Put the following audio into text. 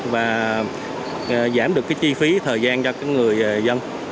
và giảm được cái chi phí thời gian cho người dân